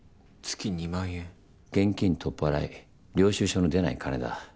現金取っ払い領収書の出ない金だ。